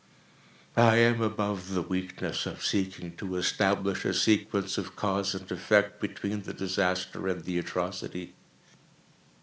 I am above the weakness of seeking to establish a sequence of cause and effect, between the disaster and the atrocity.